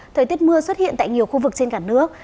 thời tiết mưa xuất hiện tại nhiều khu vực trên cả nước